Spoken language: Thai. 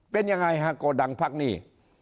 เป็นยังไงฮะโกดังพักหนี้